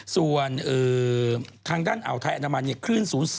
ส่วนทางด้านอ่าวไทยอนามันคลื่นศูนย์๒๔เมตร